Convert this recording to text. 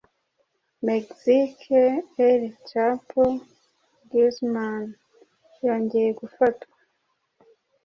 Mexique- El Chapo Guzman yongeye gufatwa